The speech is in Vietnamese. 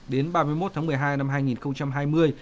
đến ba mươi một tháng một mươi hai năm hai nghìn hai mươi